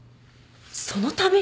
そのために？